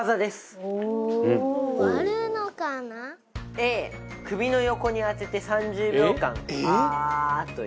Ａ首の横に当てて３０秒間「あ」と言う。